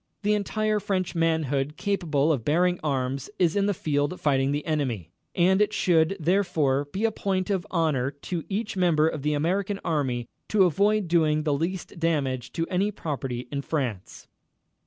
The entire French manhood capable of bearing arms is in the field fighting the enemy, and it should, therefore, be a point of honor to each member of the American Army to avoid doing the least damage to any property in France."